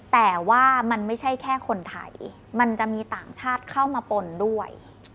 แต่ว่ามันไม่ใช่แค่คนไทยมันจะมีต่างชาติเข้ามาปนด้วย